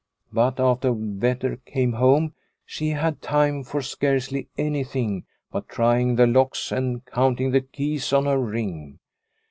But after Vetter came home she had time for scarcely anything but trying the locks and counting the keys on her ring.